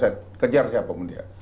saya kejar siapa pun dia